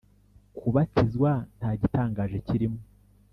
Kubatizwa nta gitangaje kirimo